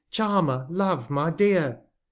Charmer ! Love ! my Dear !